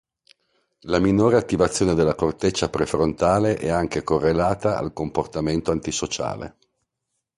La minore attivazione della corteccia prefrontale è anche correlata al comportamento antisociale.